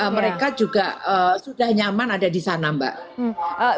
mereka juga sudah nyaman ada di sana mbak